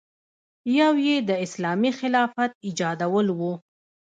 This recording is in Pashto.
یو یې د اسلامي خلافت ایجادول و.